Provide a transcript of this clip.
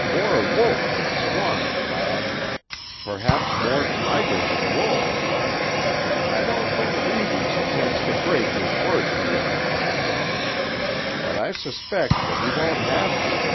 "More wolf than swine, lad. Perhaps more tiger than wolf. I don't think Reivers intends to break his word to yon lass. But I suspect that he won't have to.